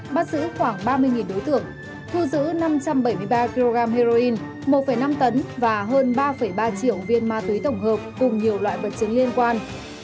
bắt giữ khoảng ba mươi đối tượng thu giữ năm trăm bảy mươi ba kg heroin một năm tấn và hơn ba ba triệu viên ma túy tổng hợp cùng nhiều loại vật chứng liên quan